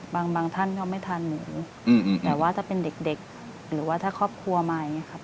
บางท่านก็ไม่ทานหมูแต่ว่าถ้าเป็นเด็กหรือว่าถ้าครอบครัวมาอย่างนี้ครับ